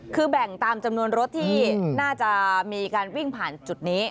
คือแบ่งตามจำนวนรถที่น่าจะมีการวิ่งผ่านจุดนี้